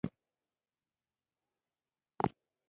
غول د ناسمو انتخابونو سزا ده.